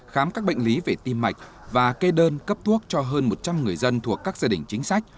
khám các bệnh lý về tim mạch và kê đơn cấp thuốc cho hơn một trăm linh người dân thuộc các gia đình chính sách